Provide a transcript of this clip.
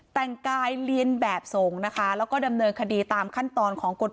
แต่งกายเรียนแบบสงฆ์นะคะแล้วก็ดำเนินคดีตามขั้นตอนของกฎหมาย